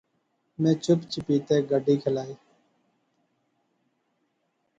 میں چپ چپیتے گڈی کھلائی